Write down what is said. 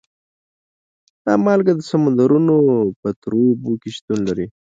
دا مالګه د سمندرونو په تروو اوبو کې شتون لري.